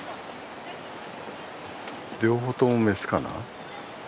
両方ともメスかな？